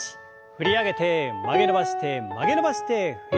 振り上げて曲げ伸ばして曲げ伸ばして振り下ろす。